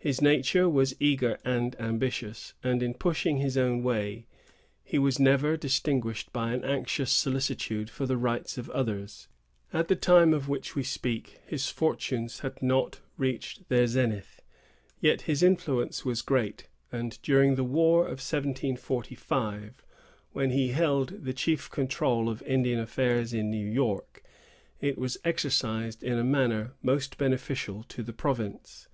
His nature was eager and ambitious; and in pushing his own way, he was never distinguished by an anxious solicitude for the rights of others. At the time of which we speak, his fortunes had not reached their zenith; yet his influence was great; and during the war of 1745, when he held the chief control of Indian affairs in New York, it was exercised in a manner most beneficial to the province.